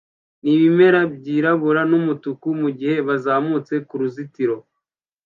nibimera byirabura numutuku mugihe bazamutse kuruzitiro